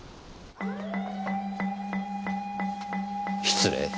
失礼。